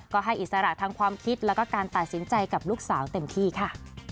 ก็ให้อิสระทางความคิดแล้วก็การตัดสินใจกับลูกสาวเต็มที่ค่ะ